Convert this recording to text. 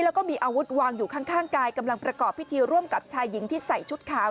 แล้วก็มีอาวุธวางอยู่ข้างกายกำลังประกอบพิธีร่วมกับชายหญิงที่ใส่ชุดขาว